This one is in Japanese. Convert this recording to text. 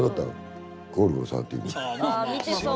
あ見てそう。